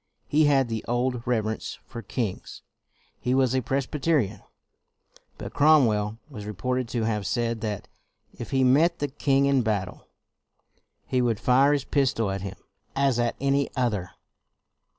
He had the old reverence for kings. He was a Pres byterian. But Cromwell was reported to have said that " if he met the king in battle, he would fire his pistol at him as at another.''